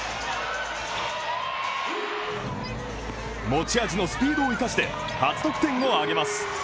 持ち味のスピードを生かして初得点を挙げます。